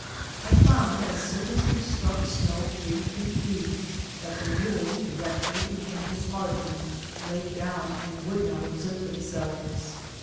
I found, as soon as we struck snow three feet deep, that the mules directly became disheartened, laid down, and would not exert themselves.